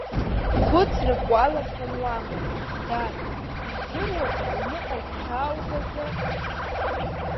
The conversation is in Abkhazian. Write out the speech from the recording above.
Хәыцрак уалахалан уамоуп, дад, издыруада аҩныҟа гәхьааугазар?